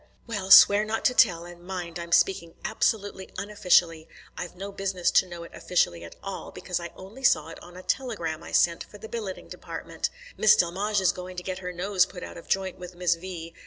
"Well, swear not to tell, and, mind, I'm speaking absolutely unofficially. I've no business to know it officially at all, because I only saw it on a telegram I sent for the Billeting Department. Miss Delmege is going to get her nose put out of joint with Miss V.